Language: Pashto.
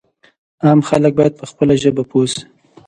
عام خلک باید په خپله ژبه پوه شي.